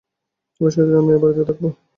বেশ কিছুদিন আমি এ বাড়িতে থাকব, কি বল?